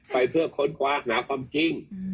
ไปเพื่อค้นคว้าหาความจริง